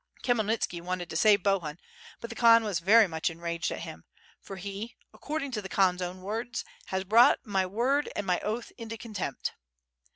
Khymelnitski wanted to save Bohun, but the Khan w«s very much enraged at him, for he, according to the K'han's own words, ^has brought my word and my oath into contempt.'